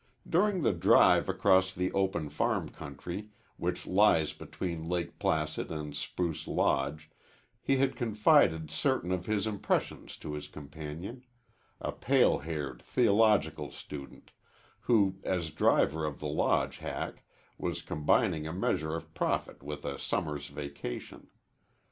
During the drive across the open farm country which lies between Lake Placid and Spruce Lodge he had confided certain of his impressions to his companion a pale haired theological student, who as driver of the Lodge hack was combining a measure of profit with a summer's vacation.